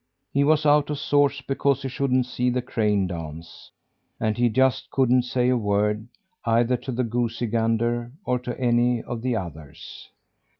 He was out of sorts because he shouldn't see the crane dance, and he just couldn't say a word, either to the goosey gander, or to any of the others.